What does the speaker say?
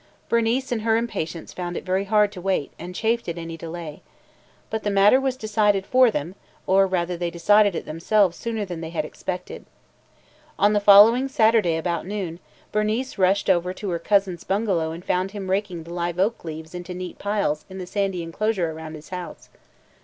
Bernice in her impatience found it very hard to wait and chafed at any delay. But the matter was decided for them, or rather they decided it themselves sooner than they had expected. On the following Saturday about noon, Bernice rushed over to her cousin's bungalow and found him raking the live oak leaves into neat piles in the sandy enclosure around his house.